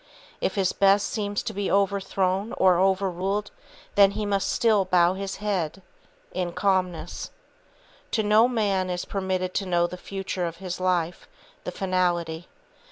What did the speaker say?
If his best seem to be overthrown or overruled, then he must still bow his head, in calmness. To no man is permitted to know the future of his life, the finality.